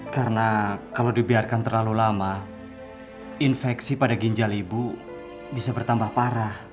karena kalau dibiarkan terlalu lama infeksi pada ginjal ibu bisa bertambah parah